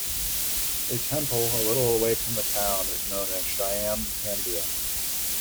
A temple, a little away from the town, is known as Shyam Pandia.